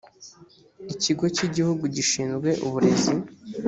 ikigo cy igihugu gishinzwe uburezi